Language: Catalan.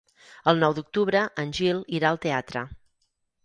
El nou d'octubre en Gil irà al teatre.